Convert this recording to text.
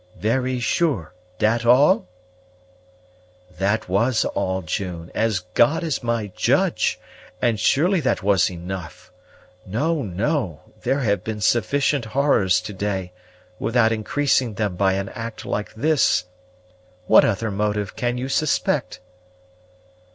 "Very sure, dat all?" "That was all, June, as God is my judge! and surely that was enough. No, no! there have been sufficient horrors to day, without increasing them by an act like this. What other motive can you suspect?"